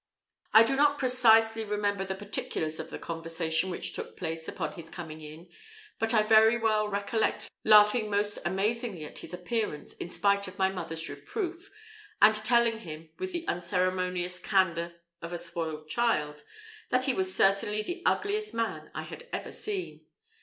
I do not precisely remember the particulars of the conversation which took place upon his coming in, but I very well recollect laughing most amazingly at his appearance, in spite of my mother's reproof, and telling him, with the unceremonious candour of a spoiled child, that he was certainly the ugliest man I had ever seen.